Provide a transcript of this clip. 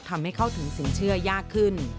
ทำให้เข้าถึงสินเชื่อยากขึ้น